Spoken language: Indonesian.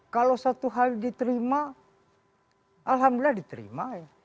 kalau satu hal diterima alhamdulillah diterima